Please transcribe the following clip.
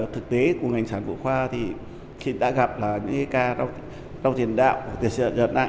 thực tế của ngành sản phụ khoa thì khi đã gặp là những ca rong tiền đạo